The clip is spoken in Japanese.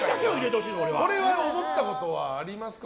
思ったことはありますか？